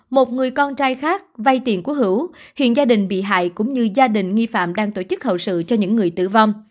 một người con trai khác vay tiền của hữu hiện gia đình bị hại cũng như gia đình nghi phạm đang tổ chức hậu sự cho những người tử vong